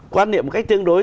quan niệm một cách tương đối